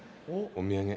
お土産。